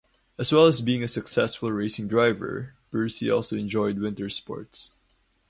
As well as being a successful racing driver, Percy also enjoyed winter sports.